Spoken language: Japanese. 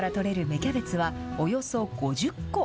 キャベツは、およそ５０個。